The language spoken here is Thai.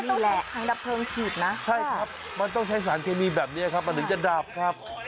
อ่าวต้องใช้ถังดับเพลิงฉีดนะใช่ครับมันต้องใช้สารเคนีแบบนี้นะครับ